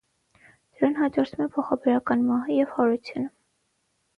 Դրան հաջորդում է փոխաբերական մահը և հարությունը։